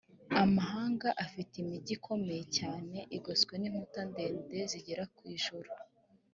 amahanga afite imigi ikomeye cyane igoswe n’inkuta ndende zigera ku ijuru